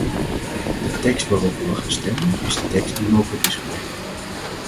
De tekst waarover we gaan stemmen is de tekst die mogelijk is gebleken.